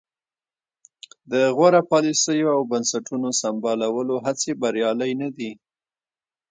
د غوره پالیسیو او بنسټونو سمبالولو هڅې بریالۍ نه دي.